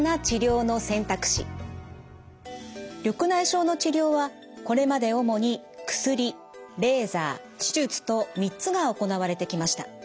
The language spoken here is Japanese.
緑内障の治療はこれまで主に薬レーザー手術と３つが行われてきました。